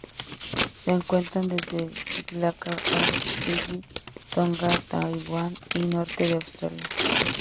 Se encuentra desde Sri Lanka hasta Fiyi, Tonga, Taiwán y norte de Australia.